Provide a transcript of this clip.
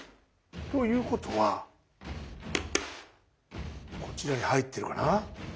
ということはこちらに入ってるかな？